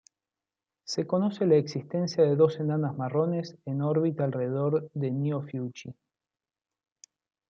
Se conoce la existencia de dos enanas marrones en órbita alrededor de Ni Ophiuchi.